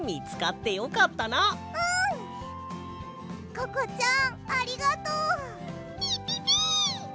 ココちゃんありがとう！ピピピッ！